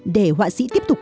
để họa sĩ tiếp tục